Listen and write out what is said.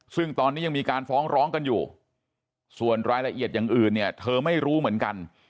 ซึ่งตอนนี้ยังมีการฟ้องร้องกันอยู่ส่วนรายละเอียดอย่างอื่นเนี่ยเธอไม่รู้เหมือนกัน